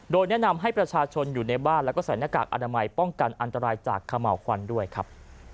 โดยแนะนำให้ประชาชนอยู่ในบ้านแล้วก็ใส่หน้ากากอนามัยป้องกันอันตรายจากขม่าวควันด้วยครับ